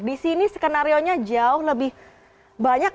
di sini skenario nya jauh lebih banyak